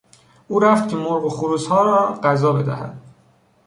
او رفت که مرغ و خروسها را غذا بدهد.